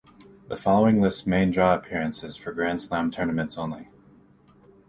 The following lists main draw appearances for Grand Slam tournaments only.